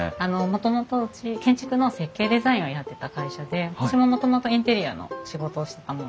もともとうち建築の設計デザインをやってた会社で私ももともとインテリアの仕事をしてた者なんです。